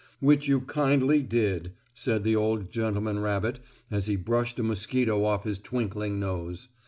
"Which you kindly did," said the old gentleman rabbit, as he brushed a mosquito off his twinkling nose.